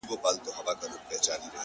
باران زما د کور له مخې څخه دوړې يوړې!